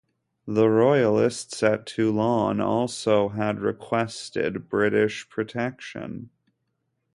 The royalists at Toulon also had requested British protection.